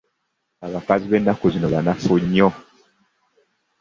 Abakazi b'ennaku zino banafu nnyo.